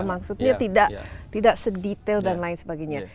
maksudnya tidak sedetail dan lain sebagainya